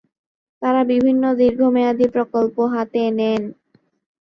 তারা বিভিন্ন দীর্ঘমেয়াদি প্রকল্প হাতে নেন।